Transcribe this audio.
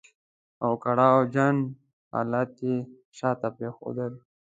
او کړاو جن حالات يې شاته پرېښودل.